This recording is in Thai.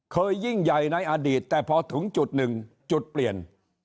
ยิ่งใหญ่ในอดีตแต่พอถึงจุดหนึ่งจุดเปลี่ยน